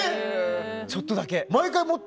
ちょっとだけ。